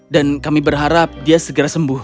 dan kami berharap dia segera sembuh